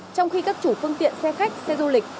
trong khi các chủ phương tiện xe khách xe du lịch